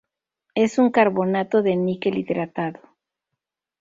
Es un carbonato de níquel hidratado.